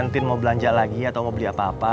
nanti mau belanja lagi atau mau beli apa apa